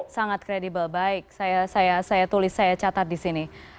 sangat kredibel baik saya catat di sini